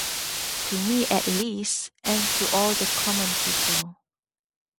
To me at least — and to all the common people.